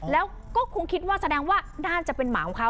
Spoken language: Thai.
แล้วก็คงคิดว่าแสดงว่าน่าจะเป็นหมาของเขา